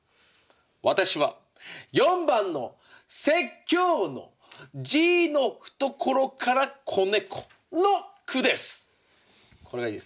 私は４番の「説教の爺のふところから仔猫」の句です。